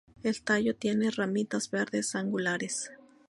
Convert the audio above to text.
El tallo tiene ramitas verdes angulares.